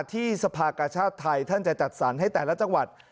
ที่สภากชาติไทยท่านจะจัดสรรให้แต่ละจังหวัด